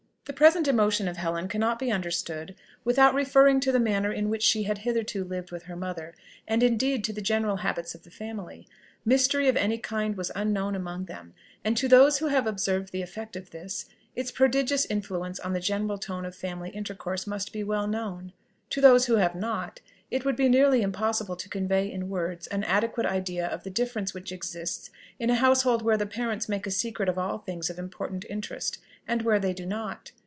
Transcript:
The present emotion of Helen cannot be understood without referring to the manner in which she had hitherto lived with her mother, and indeed to the general habits of the family. Mystery of any kind was unknown among them; and to those who have observed the effect of this, its prodigious influence on the general tone of family intercourse must be well known. To those who have not, it would be nearly impossible to convey in words an adequate idea of the difference which exists in a household where the parents make a secret of all things of important interest, and where they do not.